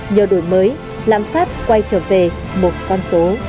nhờ đổi mới lãm phát quay trở về một con số